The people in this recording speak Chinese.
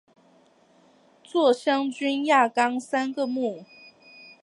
座囊菌亚纲三个目。